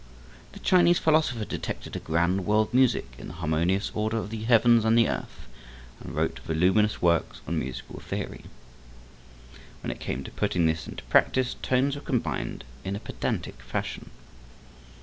The Chinese philosopher detected a grand world music in the harmonious order of the heavens and the earth, and wrote voluminous works on musical theory. When it came to putting this into practice tones were combined in a pedantic fashion.